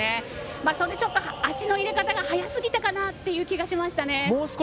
それ、ちょっと足の入れ方が速すぎた気がしましたね。